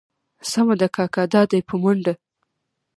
سمه ده کاکا دا دي په منډه.